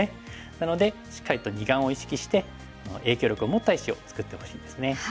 なのでしっかりと二眼を意識して影響力を持った石を作ってほしいですね。